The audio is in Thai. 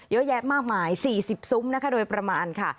เยอะแยะมากมาย๔๐ซุ้มนะคะโดยประมาณค่ะ